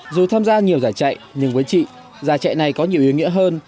dù tham gia nhiều giải chạy nhưng với chị giải chạy này có nhiều ý nghĩa hơn